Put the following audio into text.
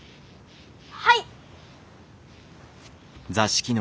はい！